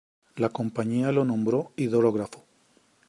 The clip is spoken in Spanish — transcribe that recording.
La Compañía lo nombró hidrógrafo.